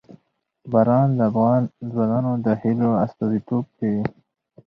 باران د افغان ځوانانو د هیلو استازیتوب کوي.